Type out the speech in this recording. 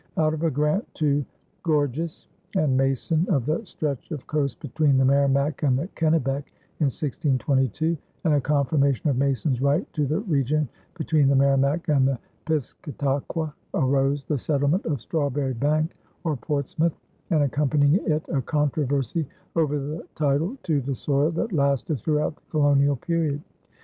Out of a grant to Gorges and Mason of the stretch of coast between the Merrimac and the Kennebec in 1622, and a confirmation of Mason's right to the region between the Merrimac and the Piscataqua, arose the settlement of Strawberry Bank, or Portsmouth, and accompanying it a controversy over the title to the soil that lasted throughout the colonial period.